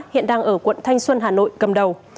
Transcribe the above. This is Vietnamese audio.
hiện đang ở quận thanh xuân hà nội cầm đầu